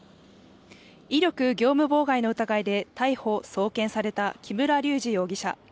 威力業務妨害の疑いで逮捕・送検された木村隆二容疑者。